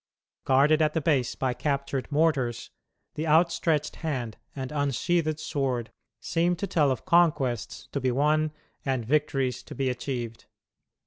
Guarded at the base by captured mortars, the outstretched hand and unsheathed sword seem to tell of conquests to be won and victories to be achieved.